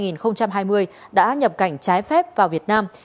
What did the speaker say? năm hai nghìn hai mươi đã nhập cảnh trái phép vào việt nam